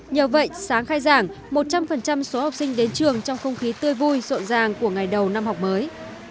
nhờ vậy sáng khai giảng một trăm linh số học sinh đến trường trong không khí tươi vui rộn ràng của ngày đầu năm học mới